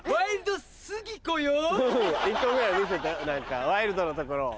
うん１個ぐらい見せて何かワイルドなところを。